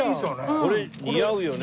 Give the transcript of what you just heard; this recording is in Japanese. これ似合うよね。